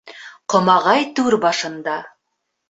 Ҡомағай түр башында